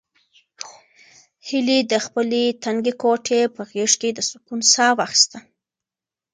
هیلې د خپلې تنګې کوټې په غېږ کې د سکون ساه واخیسته.